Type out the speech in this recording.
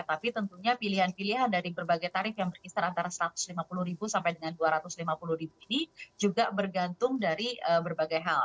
tapi tentunya pilihan pilihan dari berbagai tarif yang berkisar antara rp satu ratus lima puluh sampai dengan rp dua ratus lima puluh ini juga bergantung dari berbagai hal